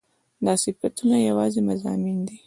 دا صفتونه يواځې مضامين دي